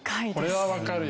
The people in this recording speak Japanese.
これはわかるよ。